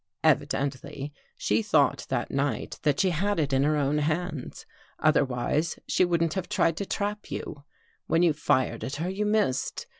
" Evidently she thought that night, that she had it 260 A QUESTION OF CENTIMETERS in her own hands. Otherwise she wouldn't have tried to trap you. When you fired at her, you missed.